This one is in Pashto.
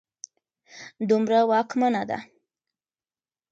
دومره واکمنه ده